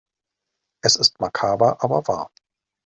Es ist makaber aber wahr.